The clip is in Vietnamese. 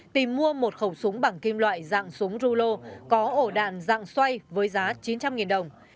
tìm mua một khẩu súng bằng kim loại dạng súng rulo có ổ đạn dạng xoay với giá chín trăm linh đồng